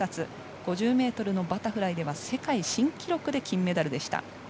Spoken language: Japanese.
５０ｍのバタフライでは世界新記録で金メダルでした。